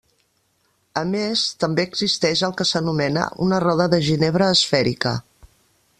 A més, també existeix el que s'anomena una roda de Ginebra esfèrica.